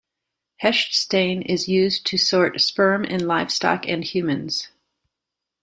Hoechst stain is used to sort sperm in livestock and humans.